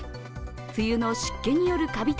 梅雨の湿気によるかび